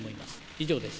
以上です。